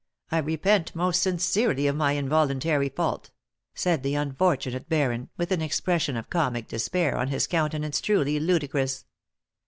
I repent, most sincerely, of my involuntary fault," said the unfortunate baron, with an expression of comic despair on his countenance truly ludicrous.